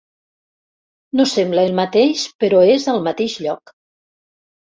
No sembla el mateix, però és al mateix lloc.